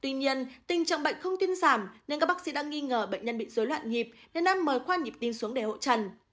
tuy nhiên tình trạng bệnh không tiêm giảm nên các bác sĩ đã nghi ngờ bệnh nhân bị dối loạn nhịp nên đã mời khoa nhịp tim xuống để hộ trần